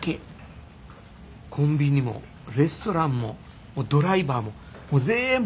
コンビニもレストランもドライバーもぜんぶ